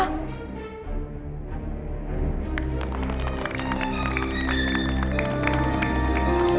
saya ingin sampai huismu